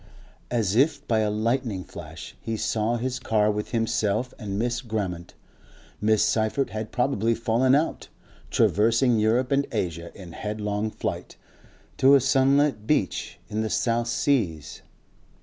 As if by a lightning flash he saw his car with himself and Miss Grammont Miss Seyffert had probably fallen out traversing Europe and Asia in headlong flight. To a sunlit beach in the South Seas....